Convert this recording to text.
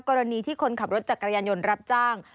กรณีที่คนขับรถจักรยานยนต์รับจ้าง